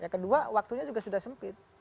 kedua waktunya juga sudah sempit